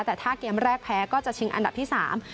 แต่ถ้าเกมแรกแพ้ก็จะชิงอันดับที่สาม